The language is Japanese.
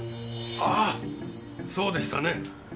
ああそうでしたね。